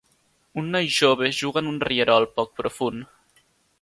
Un noi jove juga en un rierol poc profund.